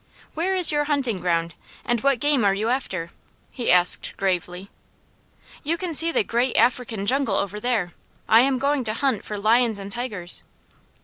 "Where is your hunting ground, and what game are you after?" he asked gravely. "You can see the great African jungle over there. I am going to hunt for lions and tigers."